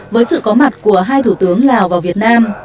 với sự có mặt của hai thủ tướng lào và việt nam